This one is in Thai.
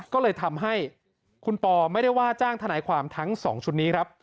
ก็เลยทำให้คุณปอไม่ได้ว่าจ้างทนายความทั้ง๒ชุดนี้ครับ